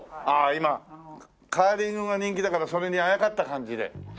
今カーリングが人気だからそれにあやかった感じで。